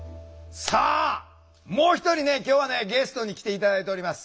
さあもう一人ね今日はねゲストに来て頂いております。